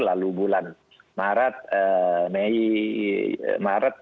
lalu bulan maret